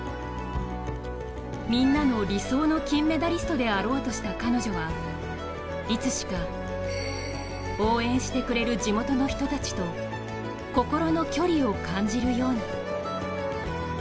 みんなの理想の金メダリストであろうとした彼女はいつしか応援してくれる地元の人たちと心の距離を感じるように。